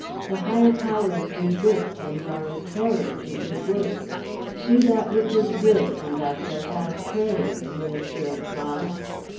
"The higher powers resist and are a terror to good works. "Do that which is good and thou shalt have praise, minister of God.